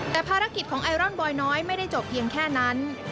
แต่ภารกิจของไอรอนบอยน้อยไม่ได้จบเพียงแค่นั้น